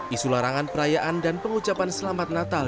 isu larangan perayaan dan pengucapan selamat natal